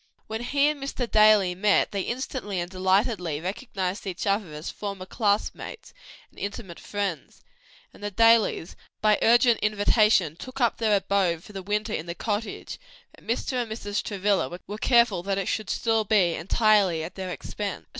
When he and Mr. Daly met they instantly and delightedly recognized each other as former classmates and intimate friends, and the Dalys, by urgent invitation, took up their abode for the winter in the cottage; but Mr. and Mrs. Travilla were careful that it should still be entirely at their expense.